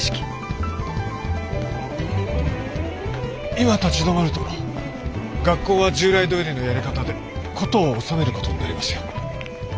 今立ち止まると学校は従来どおりのやり方で事を収める事になりますよ。